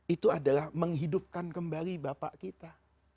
itu adalah menghidupkan kembali bapak kita